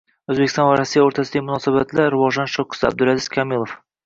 O‘zbekiston va Rossiya o‘rtasidagi munosabatlar rivojlanish cho‘qqisida — Abdulaziz Komilov